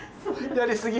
やりすぎ？